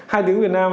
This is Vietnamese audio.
hai tiếng việt nam